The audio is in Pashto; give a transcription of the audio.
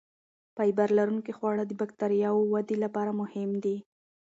فایبر لرونکي خواړه د بکتریاوو ودې لپاره مهم دي.